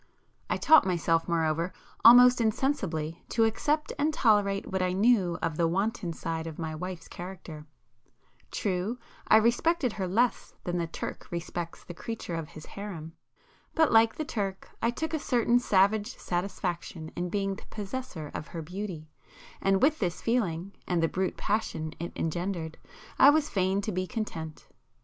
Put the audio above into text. I taught myself moreover, almost insensibly, to accept and tolerate what I knew of the wanton side of my wife's character,—true, I respected her less than the Turk respects the creature of his harem,—but like the Turk, I took a certain savage satisfaction in being the possessor of her beauty, and with this feeling, and the brute passion it engendered, I was fain to be content.